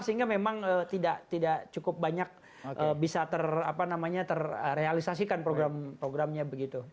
sehingga memang tidak cukup banyak bisa terrealisasikan program programnya begitu